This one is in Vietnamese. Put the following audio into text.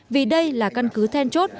vì đây là căn cứ then chốt